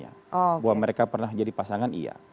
tapi kalau misalnya mereka pernah jadi pasangan iya